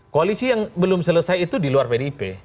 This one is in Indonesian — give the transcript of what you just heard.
koalisi yang belum selesai itu di luar pdip